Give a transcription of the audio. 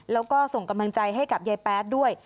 แล้วก็ส่งกำลังใจให้กับยายแป๊ดด้วย